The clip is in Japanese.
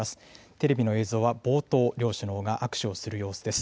テレビの映像は、冒頭、両首脳が握手をする様子です。